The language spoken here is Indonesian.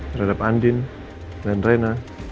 terhadap andin dan rena